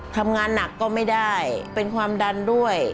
ทำงานหนักก็ไม่ได้เป็นความดันด้วย